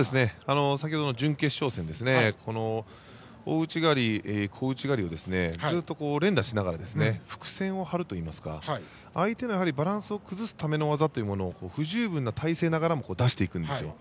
先ほどの準決勝戦で大内刈り、小内刈りをずっと連打しながら伏線を張るといいますか相手のバランスを崩すための技というものを不十分な体勢ながらも出していくんですよ。